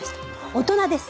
大人です！